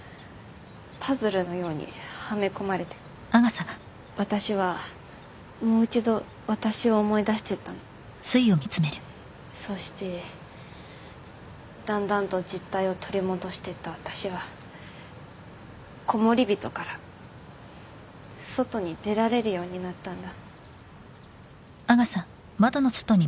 パズルのようにはめ込まれて私はもう一度私を思い出していったのそしてだんだんと実体を取り戻していった私はコモリビトから外に出られるようになったんだ